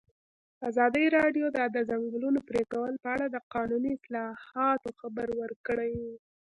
ازادي راډیو د د ځنګلونو پرېکول په اړه د قانوني اصلاحاتو خبر ورکړی.